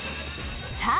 さあ